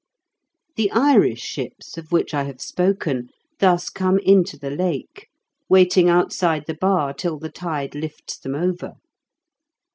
The Irish ships, of which I have spoken, thus come into the Lake, waiting outside the bar till the tide lifts them over.